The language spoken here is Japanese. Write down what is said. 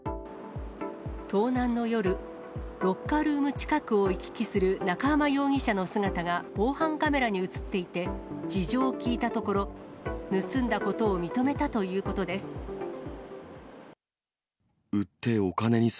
盗難の夜、ロッカールーム近くを行き来する中浜容疑者の姿が防犯カメラに写っていて、事情を聴いたところ、盗んだことを認めたということです。